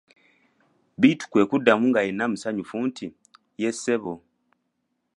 Bittu kwe kumuddamu nga yenna musanyufu nti:"ye ssebo"